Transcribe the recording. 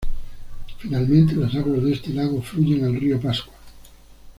Finalmente las aguas de este lago fluyen al río Pascua.